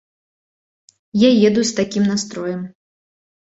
Я еду з такім настроем.